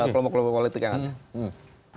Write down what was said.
kelompok kelompok politik yang ada